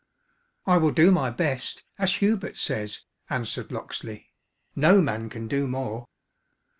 "I will do my best, as Hubert says," answered Locksley; "no man can do more."